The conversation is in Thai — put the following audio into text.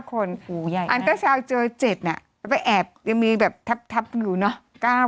อันเตอร์ซาวเจอ๗แล้วไปแอบยังมีแบบทับอยู่เนอะ